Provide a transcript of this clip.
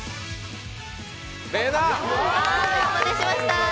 お待たせしました。